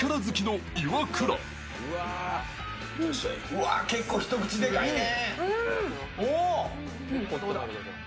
うわ、結構一口でかいね。